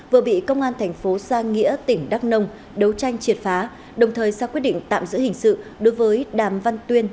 vừa bị công an thành phố giang nghĩa tỉnh đắk nông đấu tranh triệt phá đồng thời ra quyết định tạm giữ hình sự đối với đàm văn tuyên